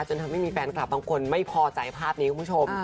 จนทำให้มีแฟนคลับบางคนไม่พอใจภาพนี้คุณผู้ชม